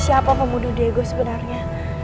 siapa pemudu dego sebenarnya